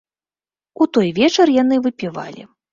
У той вечар яны выпівалі.